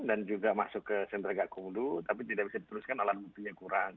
dan juga masuk ke senderaga kumdu tapi tidak bisa dituliskan alat buktinya kurang